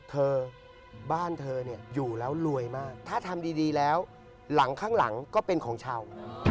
เธอบ้านเธอเนี่ยอยู่แล้วรวยมากถ้าทำดีแล้วหลังข้างหลังก็เป็นของชาว